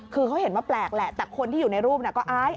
คือเขาเห็นว่าแปลกแหละแต่คนที่อยู่ในรูปน่ะก็อาย